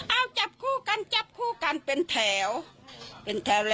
เอาหลีกว่าหลีกว่ากันหลีกว่ามีแผ่ว